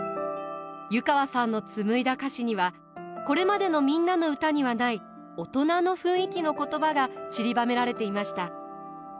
湯川さんの紡いだ歌詞にはこれまでの「みんなのうた」にはない大人の雰囲気の言葉が散りばめられていました。